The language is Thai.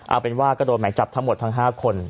เอาเป็นว่าก็โดนหมายจับทั้งหมดทั้ง๕คน